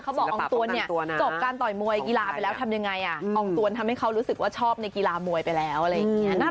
อองตวนเนี่ยจบการต่อยมวยกีฬาไปแล้วทำยังไงอองตวนทำให้เขารู้สึกว่าชอบในกีฬามวยไปแล้วอะไรอย่างนี้